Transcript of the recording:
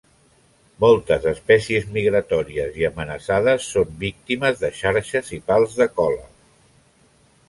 Moltes espècies migratòries i amenaçades són víctimes de xarxes i pals de cola.